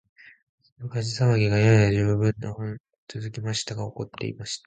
その火事さわぎが、やや二十分ほどもつづきましたが、そのあいだに黄金の塔の部屋には、みょうなことがおこっていました。